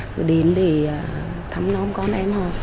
cứ đến để thăm non con em họ